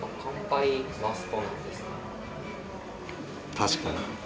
確かに。